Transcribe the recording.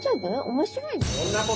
面白いの？